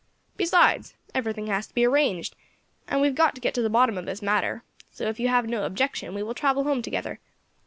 Besides, everything has to be arranged, and we have got to get to the bottom of this matter; so if you have no objection, we will travel home together.